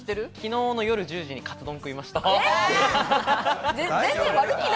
昨日の夜１０時にカツ丼食いました。